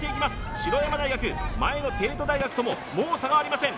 白山大学前の帝都大学とももう差がありません